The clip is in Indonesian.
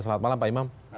selamat malam pak imam